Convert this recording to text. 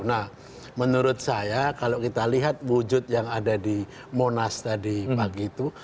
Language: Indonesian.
nah menurut saya kalau kita lihat wujud yang ada di monas tadi pagi itu